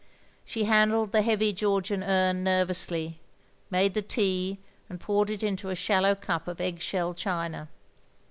She handled the heavy Georgian urn nervou«;ly, made the tea, and poured it into a shallow cup of egg shell china.